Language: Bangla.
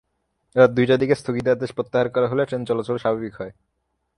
রাত দুইটার দিকে স্থগিতাদেশ প্রত্যাহার করা হলে ট্রেন চলাচল স্বাভাবিক হয়।